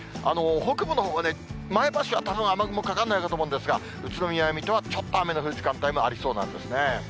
北部のほう、前橋はたぶん雨雲かかんないと思うんですが、宇都宮や水戸はちょっと雨の降る時間帯もありそうなんですね。